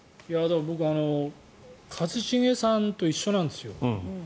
僕、一茂さんと一緒なんですよ。